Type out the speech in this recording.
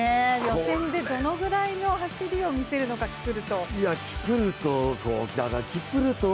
予選でどのくらいの走りをみせるのか、キプルト。